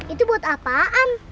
itu buat apaan